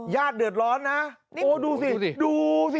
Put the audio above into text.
ญาติเดือดร้อนนะโอ้ดูสิดูสิ